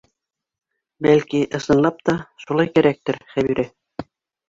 Бәлки, ысынлап та, шулай кәрәктер, Хәбирә.